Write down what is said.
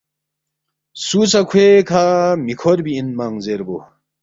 سُو سہ کھوے کھہ مِہ کھوربی اِنمنگ زیربو